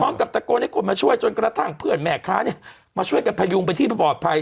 พร้อมกับตะโกนให้กดมาช่วยจนกระทั่งเพื่อนแม่คะเนี่ยมาช่วยกันพายุงไปที่ประบอบภัย